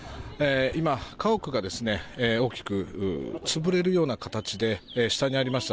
今、家屋が大きく潰れるような形で下にありました